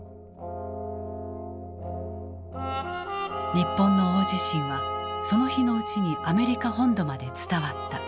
日本の大地震はその日のうちにアメリカ本土まで伝わった。